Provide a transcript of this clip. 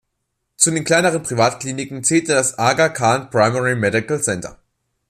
Zu den kleineren Privatkliniken zählt das Aga Khan Primary Medical Centre.